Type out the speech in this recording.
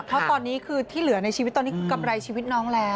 เพราะตอนนี้คือที่เหลือในชีวิตตอนนี้คือกำไรชีวิตน้องแล้ว